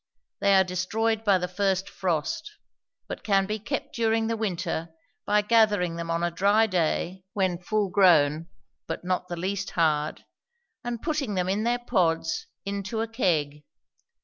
They are destroyed by the first frost, but can be kept during the winter by gathering them on a dry day, when full grown, but not the least hard, and putting them in their pods into a keg.